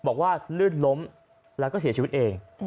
ลื่นล้มแล้วก็เสียชีวิตเอง